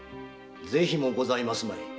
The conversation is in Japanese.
是非もございますまい。